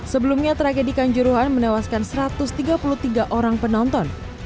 sebelumnya tragedi kanjuruhan menewaskan satu ratus tiga puluh tiga orang penonton